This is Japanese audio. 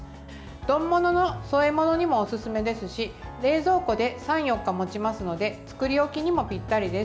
丼ものの添え物にもおすすめですし冷蔵庫で３４日持ちますので作り置きにもぴったりです。